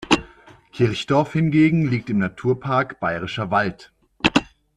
Kirchdorf hingegen liegt im Naturpark Bayerischer Wald.